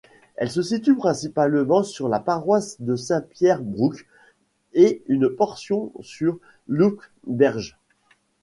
Elle se situe principalement sur la paroisse de Saint-Pierre-Brouck et une portion sur Looberghe.